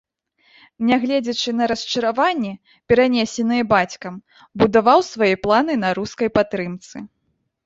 Нягледзячы на расчараванні, перанесеныя бацькам, будаваў свае планы на рускай падтрымцы.